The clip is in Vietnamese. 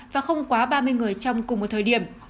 và không quá ba mươi người trong cùng một thời điểm